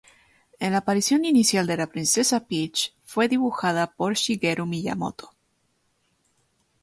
En la aparición inicial de la Princesa Peach, fue dibujada por Shigeru Miyamoto.